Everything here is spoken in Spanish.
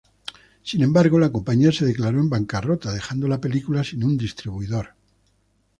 Sin embargo, la compañía se declaró en bancarrota, dejando la película sin un distribuidor.